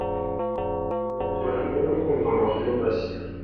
tunejejwe no kumva Amakuru mashya